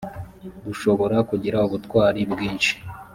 dushobora kugira ubutwari bwinshi